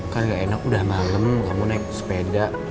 kan ga enak udah malem kamu naik sepeda